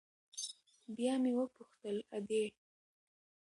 بيا مې وپوښتل ادې.